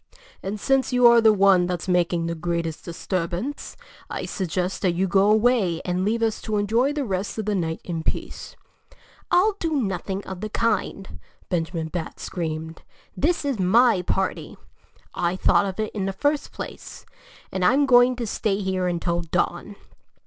And since you are the one that's making the greatest disturbance, I'd suggest that you go away and leave us to enjoy the rest of the night in peace." "I'll do nothing of the kind!" Benjamin Bat screamed. "This is my party. I thought of it in the first place. And I'm going to stay here until dawn."